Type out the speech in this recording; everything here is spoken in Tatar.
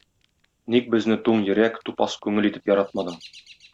Ник безне туң йөрәк, тупас күңел итеп яратмадың?